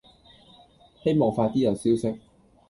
希望快啲有消息